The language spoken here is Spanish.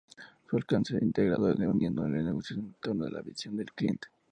Su alcance es integrador, uniendo al negocio en torno a la visión del cliente.